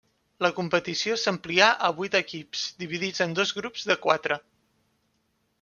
La competició s'amplià a vuit equips, dividits en dos grups de quatre.